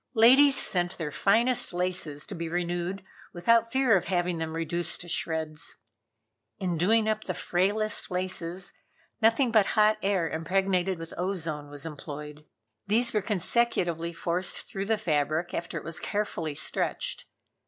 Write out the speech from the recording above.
Ladies sent their finest laces to be renewed without fear of having them reduced to shreds. In doing up the frailest laces, nothing but hot air impregnated with ozone was employed. These were consecutively forced through the fabric after it was carefully stretched.